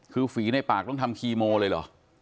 คือฝีในปากต้องทำคีโมเลยเหรอ